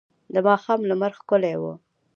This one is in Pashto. د ماښام لمر ښکلی و.